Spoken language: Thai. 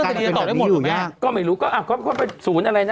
แล้วดรเสรีจะตอบได้หมดหรือเปล่าก็ไม่รู้ก็อ่ะก็ไปสูญอะไรนะ